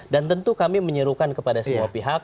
dan tentu kami menyuruhkan kepada semua pihak